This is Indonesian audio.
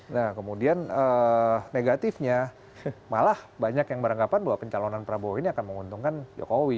nah kemudian negatifnya malah banyak yang beranggapan bahwa pencalonan prabowo ini akan menguntungkan jokowi